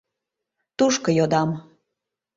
Тушко йодам.